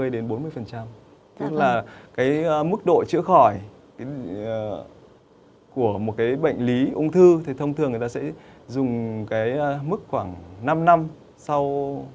tức là mức độ chữa khỏi của một bệnh lý ung thư thông thường người ta sẽ dùng mức khoảng năm năm sau